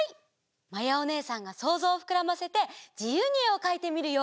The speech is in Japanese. まやおねえさんがそうぞうをふくらませてじゆうにえをかいてみるよ。